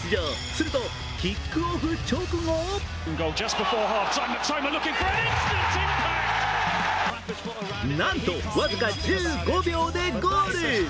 するとキックオフ直後なんと僅か１５秒でゴール。